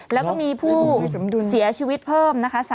แล้วก็มีผู้เสียชีวิตเพิ่มนะคะ